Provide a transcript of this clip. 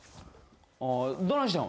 どないしてん？